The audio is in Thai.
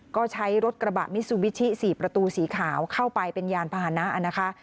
ก็ใช้รถกระบะมิซูบิชิ๔ประตูสีขาวเข้าไปเป็นยานพาหนะนะคะ